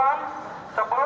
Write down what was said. sebelum menjadi gelap